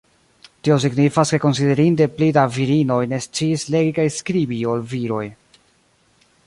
Tio signifas ke konsiderinde pli da virinoj ne sciis legi kaj skribi ol viroj.